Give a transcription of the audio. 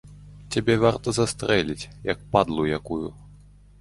Цябе варта застрэліць, як падлу якую!